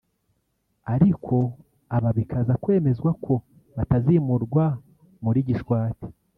ariko aba bikaza kwemezwa ko batazimurwa muri Gishwati